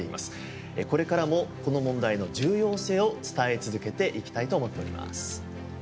これからもこの問題の重要性を伝え続けていきたいと思っております。